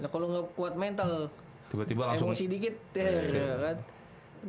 kalau nggak kuat mental emosi dikit ya udah kan